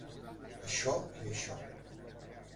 Això i això.